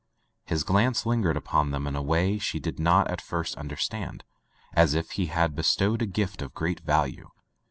His glance lingered upon them in a way she did not at first understand, as if he had bestowed a gift of great value.